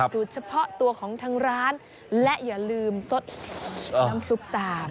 เฉพาะตัวของทางร้านและอย่าลืมสดน้ำซุปตา